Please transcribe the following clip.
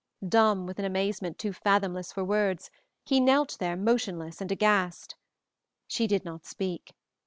Dumb with an amazement too fathomless for words, he knelt there motionless and aghast. She did not speak.